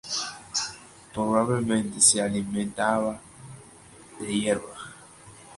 Probablemente se alimentaba de hierba.